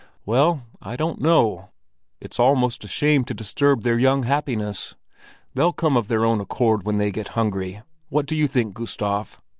"Well, I don't know. It's almost a shame to disturb their young happiness. They'll come of their own accord when they get hungry. What do you think, Gustav?